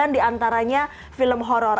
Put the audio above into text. sembilan diantaranya film horror